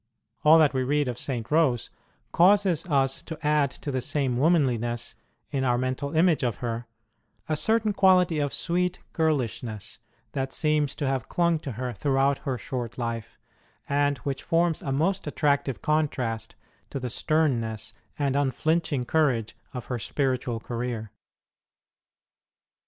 All that we read of St. Rose causes us to add to the same womanliness, in our mental image of her, a certain quality of sweet girlishness that seems to have clung to her throughout her short life, and which forms a HER GARDEN CELL 113 most attractive contrast to the sternness and un flinching courage of her spiritual career.